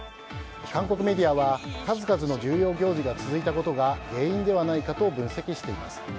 韓国メディアは数々の重要行事が続いたことが原因ではないかと分析しています。